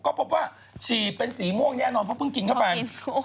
ก็พบว่าฉี่เป็นสีม่วงแน่นอนเพราะเพิ่งกินเข้าไป